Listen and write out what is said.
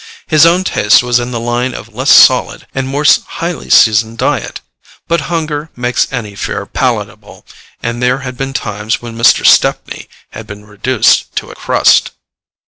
His own taste was in the line of less solid and more highly seasoned diet; but hunger makes any fare palatable, and there had been times when Mr. Stepney had been reduced to a crust.